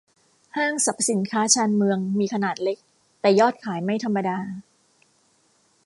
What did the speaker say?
ห้างสรรพสินค้าชานเมือง มีขนาดเล็ก แต่ยอดขายไม่ธรรมดา